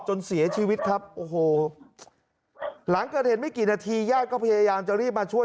จนเสียชีวิตครับโอ้โหหลังเกิดเหตุไม่กี่นาทีญาติก็พยายามจะรีบมาช่วย